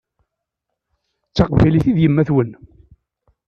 D taqbaylit i d yemma-twen.